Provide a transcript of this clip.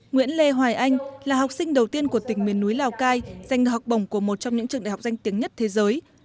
nguyễn lê hoài anh là học sinh đầu tiên của tỉnh miền núi lào cai giành được học bổng của một trong những trường đại học danh tiếng nhất thế giới